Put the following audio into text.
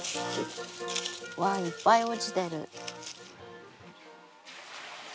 わあいっぱい落ちてる。